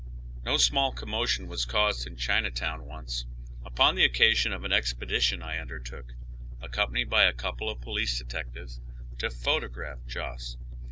No smalt commotion was caused in Chinatown once upon the occasion of an expedition I undertook, accom panied by a .couple of police detectives, to photograph Joss.